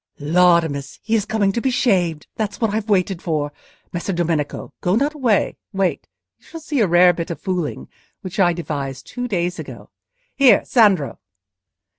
Laudamus! he is coming to be shaved; that's what I've waited for. Messer Domenico, go not away: wait; you shall see a rare bit of fooling, which I devised two days ago. Here, Sandro!"